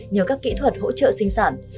nhờ các kỹ thuật hỗ trợ sinh sản